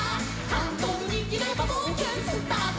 「ハンドルにぎればぼうけんスタート！」